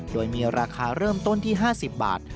โดยมีราคาเริ่มต้นที่๕๐บาท